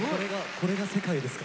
これが世界ですか。